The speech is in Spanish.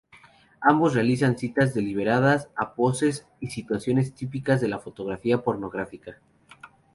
Ambos realizan citas deliberadas a poses y situaciones típicas de la fotografía pornográfica.